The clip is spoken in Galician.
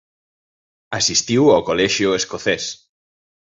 Asistiu ao Colexio Escocés.